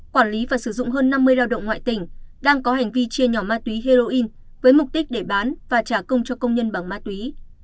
quản lý và sử dụng hơn năm mươi lao động ngoại tỉnh đang có hành vi chia nhỏ ma túy heroin với mục đích để bán và trả công cho công nhân bằng ma túy